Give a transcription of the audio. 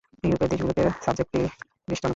ইউরোপের দেশগুলোতে এ সাবজেক্টটি বেশ জনপ্রিয়।